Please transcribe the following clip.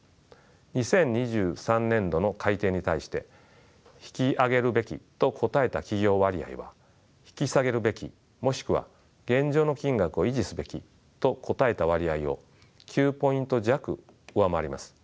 ２０２３年度の改定に対して「引き上げるべき」と答えた企業割合は「引き下げるべきもしくは現状の金額を維持すべき」と答えた割合を９ポイント弱上回ります。